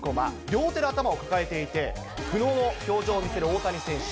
両手で頭を抱えていて、苦もんの表情を見せる大谷選手。